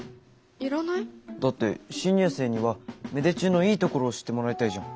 だって新入生には芽出中のいいところを知ってもらいたいじゃん。